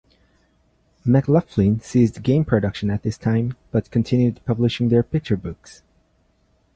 McLoughlin ceased game production at this time, but continued publishing their picture books.